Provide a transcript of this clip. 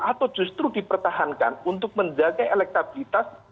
atau justru dipertahankan untuk menjaga elektabilitas